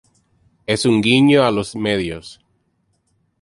Es un guiño a los medios.